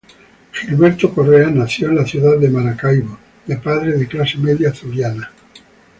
Gilberto Correa nació en la ciudad de Maracaibo, de padres de clase media zuliana.